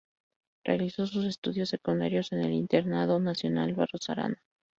Realizó sus estudios secundarios en el Internado Nacional Barros Arana.